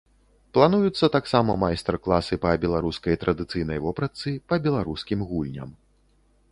Плануюцца таксама майстар-класы па беларускай традыцыйнай вопратцы, па беларускім гульням.